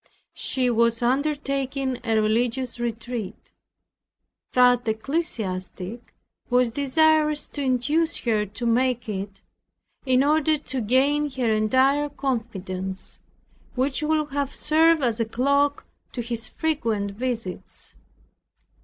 She was undertaking a religious retreat. That ecclesiastic was desirous to induce her to make it, in order to gain her entire confidence, which would have served as a cloak to his frequent visits.